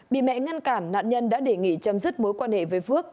bị mẹ ngăn cản nạn nhân đã đề nghị chấm dứt mối quan hệ với phước